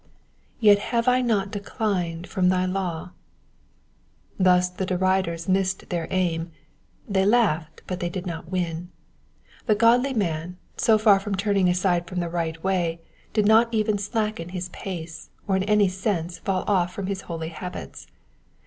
^^Yet ha/oe I not declined from thy law,''* Thus the deriders missed their aim : they laughed, but they did not win. The godly man, so far from turning aside from the right way, did not even slacken his pace, or in any sense fall off from his holy habits.